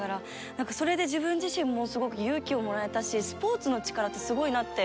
何かそれで自分自身もすごく勇気をもらえたしスポーツの力ってすごいなって